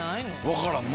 わからん。